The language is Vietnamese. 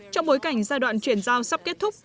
trong bối cảnh giai đoạn chuyển giao sắp kết thúc